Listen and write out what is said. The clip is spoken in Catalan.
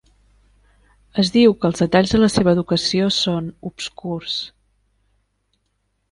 Es diu que els detalls de la seva educació són "obscurs".